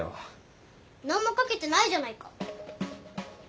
何も書けてないじゃないか。